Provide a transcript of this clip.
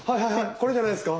これじゃないですか？